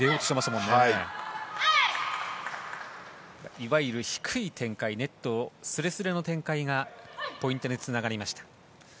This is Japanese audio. いわゆる低い展開ネットすれすれの展開がポイントにつながりました。